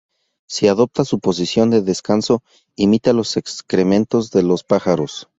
Si adopta su posición de descanso, imita los excrementos de los pájaros.